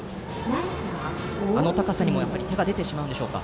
あの高さにも手が出てしまうんでしょうか。